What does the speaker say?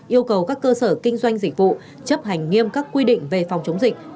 yêu cầu các cơ sở kinh doanh dịch vụ chấp hành nghiêm các quy định về phòng chống dịch